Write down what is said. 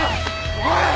おい！